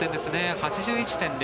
８１．００。